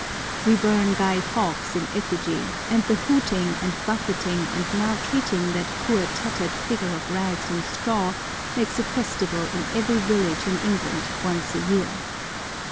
We burn Guy Fawkes in effigy, and the hooting and buffeting and maltreating that poor tattered figure of rags and straw makes a festival in every village in England once a year.